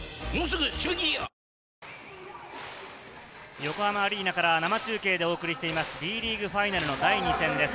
横浜アリーナから生中継でお送りしています、Ｂリーグファイナルの第２戦。